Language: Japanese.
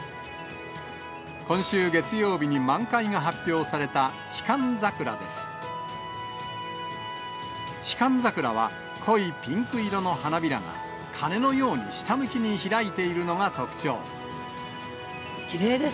今週月曜日に満開が発表されたヒカンザクラです。